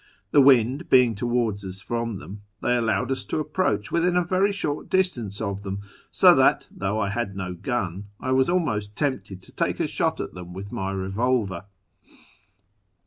The wind being towards us from them, they allowed us to approach within a very short distance of them, so that, though I had no gun, I was almost tempted to take a shot at them with my revolver.